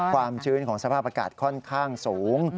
ความชื้นของสภาพอากาศค่อนข้างสูง